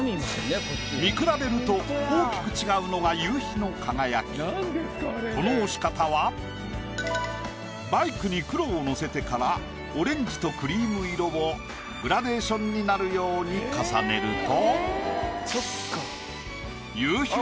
見比べるとこの押し方はバイクに黒を乗せてからオレンジとクリーム色をグラデーションになるように重ねると。